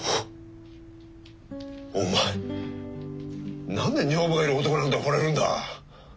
おお前何で女房がいる男なんて惚れるんだ！